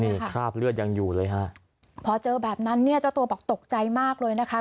นี่คราบเลือดยังอยู่เลยฮะพอเจอแบบนั้นเนี่ยเจ้าตัวบอกตกใจมากเลยนะคะ